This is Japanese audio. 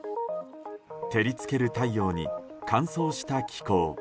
照り付ける太陽に乾燥した気候。